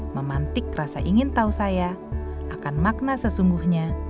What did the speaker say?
memantik rasa ingin tahu saya akan makna sesungguhnya